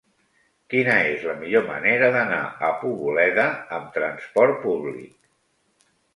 Quina és la millor manera d'anar a Poboleda amb trasport públic?